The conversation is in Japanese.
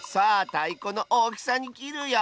たいこのおおきさにきるよ！